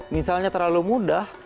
misalnya terlalu mudah